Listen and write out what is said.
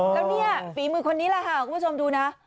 แล้วเนี่ยฝีมือคนนี้แหละค่ะคุณผู้ชมดูนะ